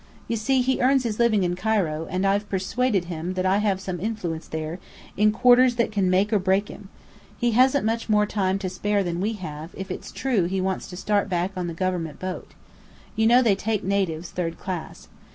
You see, he earns his living in Cairo, and I've persuaded him that I have some influence there, in quarters that can make or break him. He hasn't much more time to spare than we have, if it's true that he wants to start back on the government boat. You know they take natives, third class.